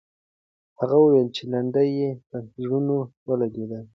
هغې وویل چې لنډۍ یې پر زړونو ولګېده.